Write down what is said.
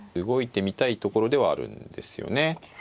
動いてみたいところではあるんですよね。